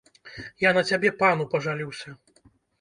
Я на цябе пану пажалюся.